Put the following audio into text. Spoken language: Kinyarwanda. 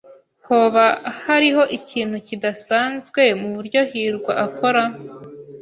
Hoba hariho ikintu kidasanzwe muburyo hirwa akora?